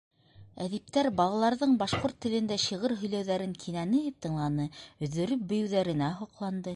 Әҙиптәр балаларҙың башҡорт телендә шиғыр һөйләүҙәрен кинәнеп тыңланы, өҙҙөрөп бейеүҙәренә һоҡланды.